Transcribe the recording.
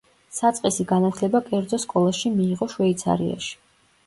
საწყისი განათლება კერძო სკოლაში მიიღო შვეიცარიაში.